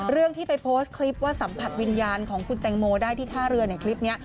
เรื่องที่ไปโพสต์คลิปว่าสัมผัสวิญญาณของคุณแตงโมได้ที่ท่าเรือในคลิปนี้